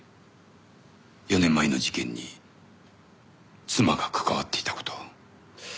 ４年前の事件に妻が関わっていた事を。